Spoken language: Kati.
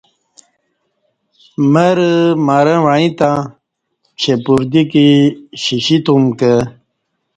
مرہ مرں وعیں تہ چہ پردیکی شیشی تم کہ